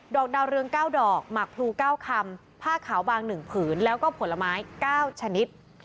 ดอกดาวเรืองเก้าดอกหมักพลูเก้าคำผ้าขาวบางหนึ่งผืนแล้วก็ผลไม้เก้าชนิด